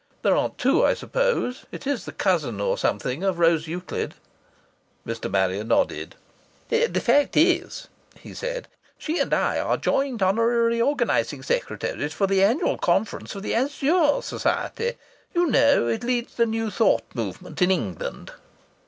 There aren't two, I suppose? It's the cousin or something of Rose Euclid?" Mr. Marrier nodded. "The fact is," he said, "she and I are joint honorary organizing secretaries for the annual conference of the Azure Society. You know it leads the New Thought movement in England."